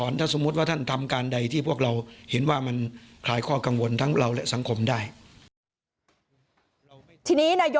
นายกรัฐมนูล